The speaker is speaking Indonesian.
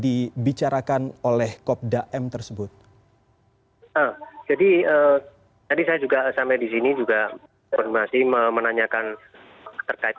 dibicarakan oleh kopda m tersebut jadi tadi saya juga sampai di sini juga masih menanyakan terkait